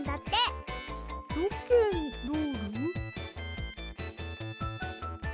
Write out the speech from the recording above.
ロケンロール？